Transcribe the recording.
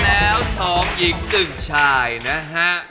มาแล้วสองหญิงสุ่นชายนะฮะ